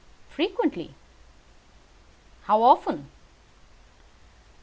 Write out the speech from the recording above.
"Frequently." "How often?"